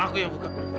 aku yang buka